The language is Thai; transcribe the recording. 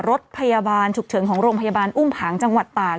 รถพยาบาลฉุกเฉินของโรงพยาบาลอุ้มผังจังหวัดตาก